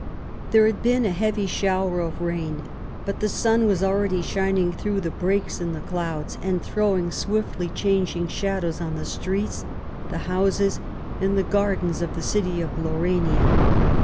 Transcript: There had been a heavy shower of rain, but the sun was already shining through the breaks in the clouds and throwing swiftly changing shadows on the streets, the houses, and the gardens of the city of Laurania.